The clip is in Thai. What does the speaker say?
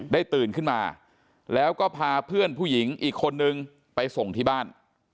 ตื่นขึ้นมาแล้วก็พาเพื่อนผู้หญิงอีกคนนึงไปส่งที่บ้าน